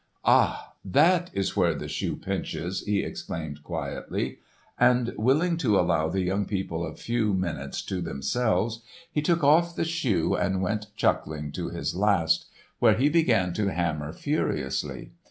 "Ah, that is where the shoe pinches!" he exclaimed quietly; and willing to allow the young people a few minutes to themselves he took off the shoe and went chuckling to his last, where he began to hammer furiously.